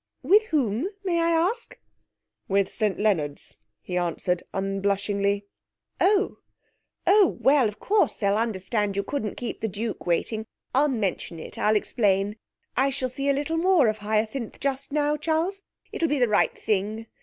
'With whom, may I ask?' 'With St Leonards,' he answered unblushingly. 'Oh! Oh well, of course, they'll understand you couldn't keep the Duke waiting. I'll mention it; I'll explain. I shall see a little more of Hyacinth just now, Charles. It'll be the right thing.